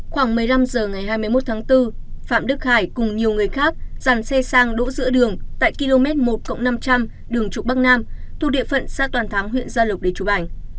khoảng một mươi năm h ngày hai mươi một tháng bốn phạm đức khải cùng nhiều người khác dàn xe sang đỗ giữa đường tại km một năm trăm linh đường trục bắc nam thuộc địa phận xã toàn thắng huyện gia lộc để chụp ảnh